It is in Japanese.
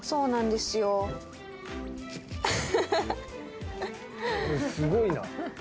「すごいな」